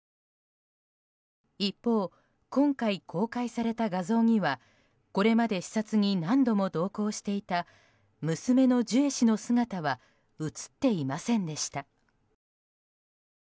一方、今回公開された画像にはこれまで視察に何度も同行していた娘のジュエ氏の姿は映っていませんでした。